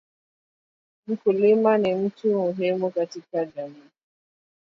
Mkulima ni mtu muhimu katika Jamii